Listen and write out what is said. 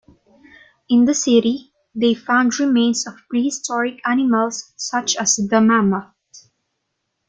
In the city they found remains of prehistoric animals such as the mammoth.